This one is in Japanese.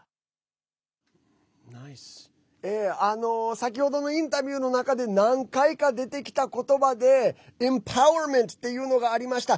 先ほどのインタビューの中で何回か出てきた言葉でＥｍｐｏｗｅｒｍｅｎｔっていうのがありました。